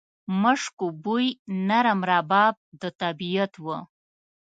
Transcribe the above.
مشکو بوی، نرم رباب د طبیعت و